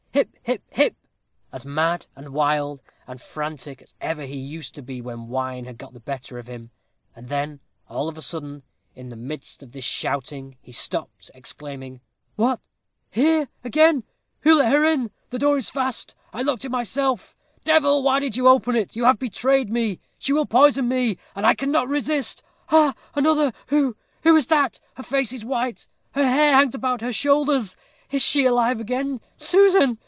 'Hip! hip! hip!' as mad, and wild, and frantic as ever he used to be when wine had got the better of him; and then all of a sudden, in the midst of his shouting, he stopped, exclaiming, 'What! here again? who let her in? the door is fast I locked it myself. Devil! why did you open it? you have betrayed me she will poison me and I cannot resist. Ha! another! Who who is that? her face is white her hair hangs about her shoulders. Is she alive again? Susan!